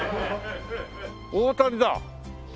大谷だ。